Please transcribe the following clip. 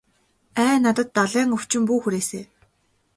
Ай надад далайн өвчин бүү хүрээсэй.